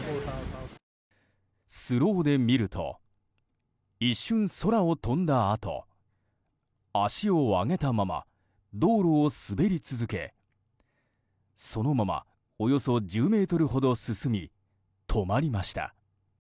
スローで見ると一瞬、空を飛んだあと足を上げたまま道路を滑り続けそのまま、およそ１０ｍほど進み止まりました。